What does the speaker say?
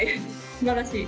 すばらしい。